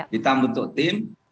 ditambah untuk tim